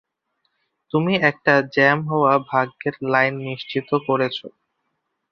তুমি একটা জ্যাম হওয়া ভাগ্যের লাইন চিহ্নিত করেছ।